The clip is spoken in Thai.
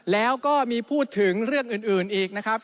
แล้วก็มีพูดถึงเรื่องอื่นอีกนะครับ